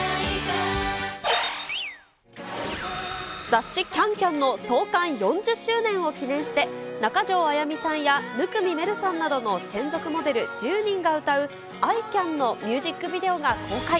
雑誌キャンキャンの創刊４０周年を記念して、中条あやみさんや生見愛瑠さんなどの専属モデル１０人が歌うＩＣａｎのミュージックビデオが公開。